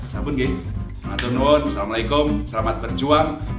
selamat menunggu assalamualaikum selamat berjuang